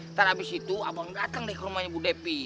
ntar abis itu abang datang nih ke rumahnya bu depi